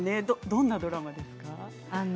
どんなドラマですか？